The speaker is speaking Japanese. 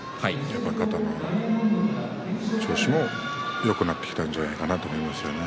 肩の調子もよくなってきたんじゃないかと思いますね。